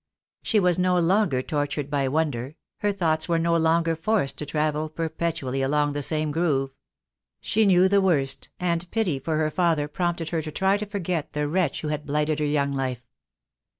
She was no longer tortured by wonder; her thoughts were no longer forced to travel perpetually along the same groove. She knew the worst, and pity for her father prompted her to try to forget the wretch who had blighted her young life.